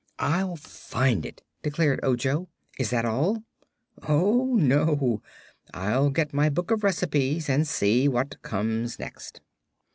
"I'll find it," declared Ojo. "Is that all?" "Oh, no; I'll get my Book of Recipes and see what comes next."